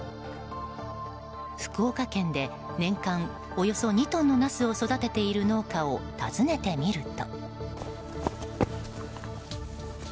福岡県で年間およそ２トンのナスを育てている農家を訪ねてみると。